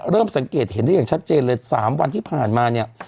เริ่มสังเกตเห็นได้อย่างชัดเจนเลย๓วันที่ผ่านมา